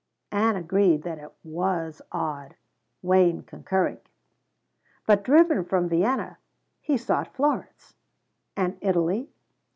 Ann agreed that it was odd Wayne concurring. But driven from Vienna, he sought Florence. "And Italy?